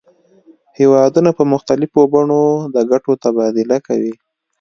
هیوادونه په مختلفو بڼو د ګټو تبادله کوي